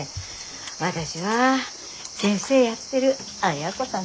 私は先生やってる亜哉子さん